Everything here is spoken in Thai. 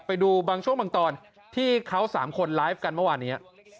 ไปดูบางช่วงบางตอนที่เขา๓คนไลฟ์กันเมื่อวานนี้